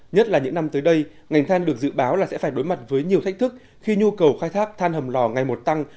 nhất là những năm tới đây ngành than được dự báo là sẽ phải đối mặt với nhiều thách thức khi nhu cầu khai thác than hầm lò ngày một tăng